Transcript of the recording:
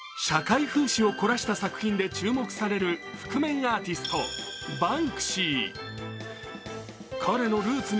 社会風刺を凝らした作品で注目される覆面アーティスト、バンクシー。